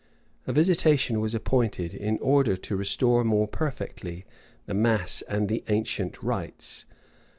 A visitation was appointed, in order to restore more perfectly the mass and the ancient rites.